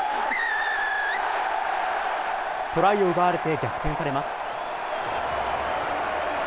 トライを奪われて逆転されます。